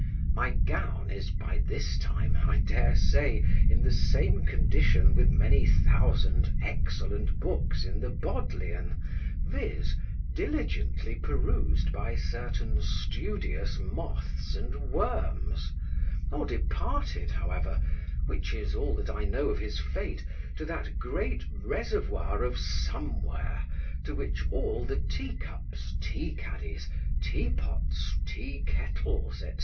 My gown is by this time, I dare say, in the same condition with many thousand excellent books in the Bodleian, viz., diligently perused by certain studious moths and worms; or departed, however (which is all that I know of his fate), to that great reservoir of somewhere to which all the tea cups, tea caddies, tea pots, tea kettles, &c.